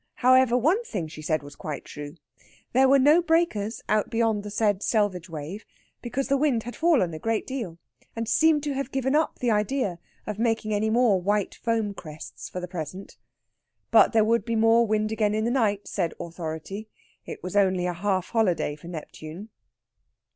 However, one thing she said was quite true. There were no breakers out beyond the said selvage wave, because the wind had fallen a great deal, and seemed to have given up the idea of making any more white foam crests for the present. But there would be more wind again in the night, said authority. It was only a half holiday for Neptune.